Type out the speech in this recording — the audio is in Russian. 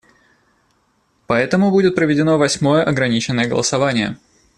Поэтому будет проведено восьмое ограниченное голосование.